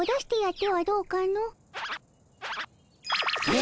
え！